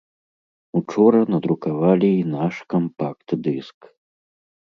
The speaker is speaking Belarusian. Учора надрукавалі і наш кампакт-дыск.